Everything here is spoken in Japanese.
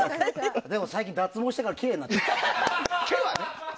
でも、脱毛してからきれいになったのよ。